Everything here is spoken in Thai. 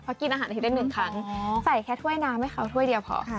เพราะกินอาหารอาทิตย์ได้๑ครั้งใส่แค่ถ้วยน้ำให้เขาถ้วยเดียวพอ